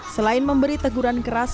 selain memberi teguran keras